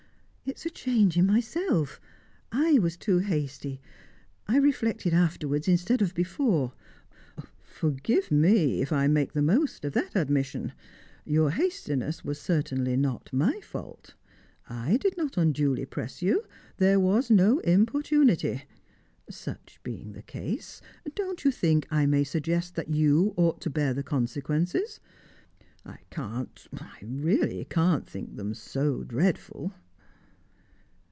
"It is a change in myself I was too hasty I reflected afterwards instead of before " "Forgive me if I make the most of that admission. Your hastiness was certainly not my fault. I did not unduly press you; there was no importunity. Such being the case, don't you think I may suggest that you ought to bear the consequences? I can't I really can't think them so dreadful."